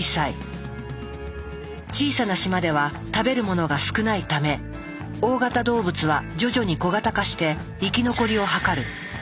小さな島では食べるものが少ないため大型動物は徐々に小型化して生き残りを図る。